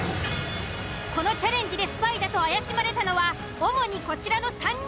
このチャレンジでスパイだと怪しまれたのは主にこちらの３人。